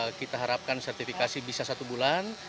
sehingga kita harapkan sertifikasi bisa satu bulan